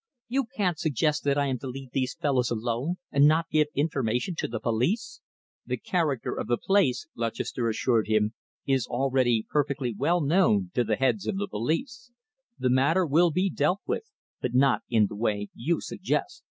You can't suggest that I am to leave these fellows alone and not give information to the police?" "The character of the place," Lutchester assured him, "is already perfectly well known to the heads of the police. The matter will be dealt with, but not in the way you suggest.